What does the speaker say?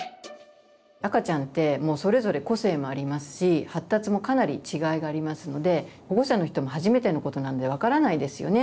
赤ちゃんってもうそれぞれ個性もありますし発達もかなり違いがありますので保護者の人も初めてのことなんで分からないですよね。